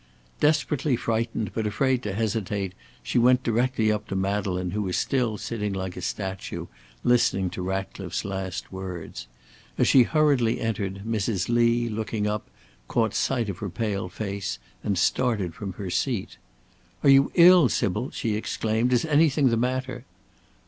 Desperately frightened but afraid to hesitate, she went directly up to Madeleine who was still sitting like a statue, listening to Ratcliffe's last words. As she hurriedly entered, Mrs. Lee, looking up, caught sight of her pale face, and started from her seat. "Are you ill, Sybil?" she exclaimed; "is anything the matter?"